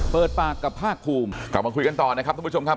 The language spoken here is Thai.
เปิดปากกับภาคภูมิกลับมาคุยกันต่อนะครับทุกผู้ชมครับ